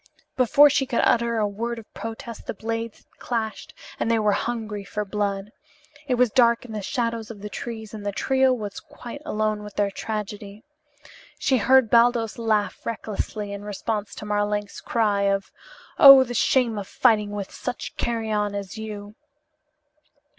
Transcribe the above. Before she could utter a word of protest the blades had clashed and they were hungry for blood. It was dark in the shadows of the trees and the trio were quite alone with their tragedy. She heard Baldos laugh recklessly in response to Marlanx's cry of: "Oh, the shame of fighting with such carrion as you!"